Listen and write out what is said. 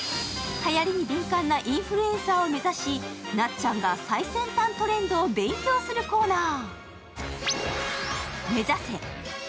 はやりに敏感なインフルエンサーを目指し、なっちゃんが最先端トレンドを勉強するコーナー。